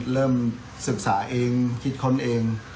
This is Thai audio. เริ่มศึกษาเองคิดค้นเอง